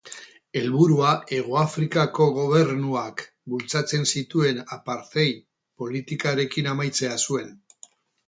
Helburua Hegoafrikako Gobernuak bultzatzen zituen apartheid politikarekin amaitzea zuen.